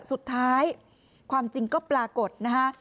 สุดท้ายความจริงก็ปรากฏนะฮะ